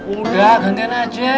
udah gantian aja